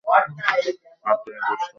আর তুমি করছ না?